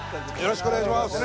よろしくお願いします。